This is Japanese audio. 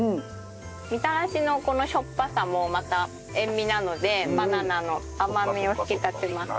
みたらしのこのしょっぱさもまた塩味なのでバナナの甘みを引き立てます。